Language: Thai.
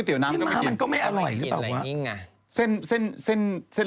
พี่หมามันก็ไม่อร่อยหรือเปล่าไหม